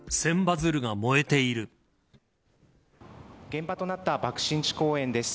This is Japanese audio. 現場となった爆心地公園です。